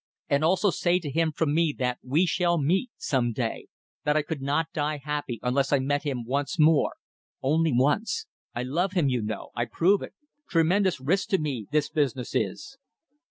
And also say to him from me that we shall meet some day. That I could not die happy unless I met him once more. Only once. I love him, you know. I prove it. Tremendous risk to me this business is!"